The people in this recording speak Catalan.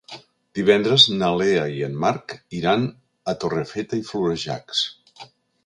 Divendres na Lea i en Marc iran a Torrefeta i Florejacs.